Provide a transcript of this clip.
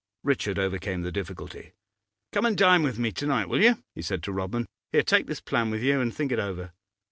Richard overcame the difficulty. 'Come and dine with me to night, will you?' he said to Rodman. 'Here, take this plan with you, and think it over.